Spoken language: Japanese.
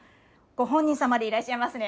ご本人様でいらっしゃいますね。